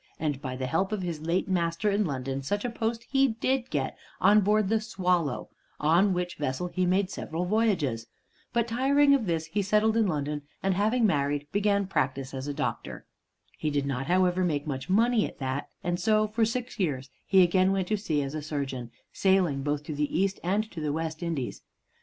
And by the help of his late master in London, such a post he did get on board the "Swallow" on which vessel he made several voyages. But tiring of this, he settled in London, and, having married, began practise as a doctor. He did not, however, make much money at that, and so for six years he again went to sea as a surgeon, sailing both to the East and to the West Indies.